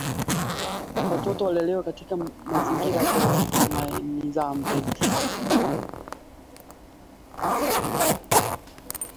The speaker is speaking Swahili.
Umoja wa Afrika umesimamisha uanachama wa Sudan tangu mkuu wa jeshi Abdel Fattah kuongoza mapinduzi ya Oktoba mwaka elfu mbili na ishirini na moja